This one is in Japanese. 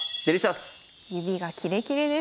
指がキレキレです。